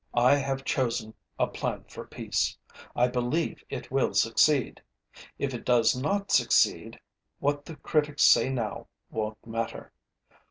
I have chosen a plan for peace. I believe it will succeed. If it does not succeed, what the critics say now wonÆt matter.